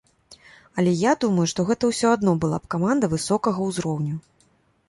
Але я думаю, што гэта ўсё адно была б каманда высокага ўзроўню.